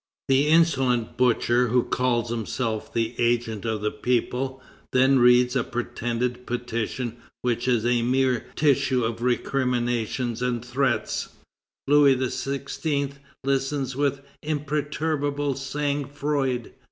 The insolent butcher, who calls himself the agent of the people, then reads a pretended petition which is a mere tissue of recriminations and threats. Louis XVI. listens with imperturbable sang froid.